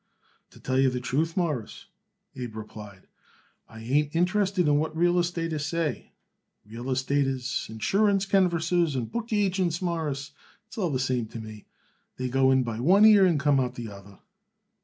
"To tell you the truth, Mawruss," Abe replied, "I ain't interested in what real estaters says. Real estaters, insurance canvassers and book agents, Mawruss, is all the same to me. They go in by one ear and come out by the other."